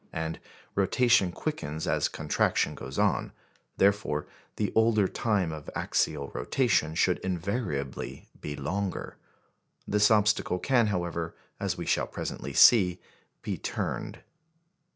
And rotation quickens as contraction goes on; therefore, the older time of axial rotation should invariably be the longer. This obstacle can, however, as we shall presently see, be turned.